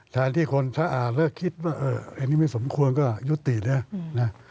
แทนที่คนอ่านแล้วคิดว่าสมควรก็ยุตินะ